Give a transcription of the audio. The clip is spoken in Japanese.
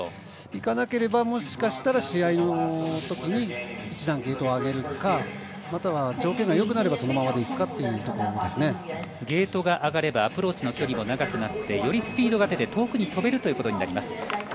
いかなければ、もしかしたら試合のときに１段ゲートを上げるかまたは条件が良くなればそのままでいくかゲートが上がればアプローチの距離も長くなってよりスピードが出て遠くに飛べるということになります。